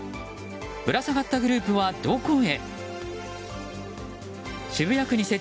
ぶら下がったグループはどこへ。